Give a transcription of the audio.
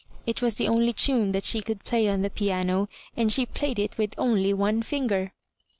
'' It was the only tune that she could play on the piano, and she played it with only one finger.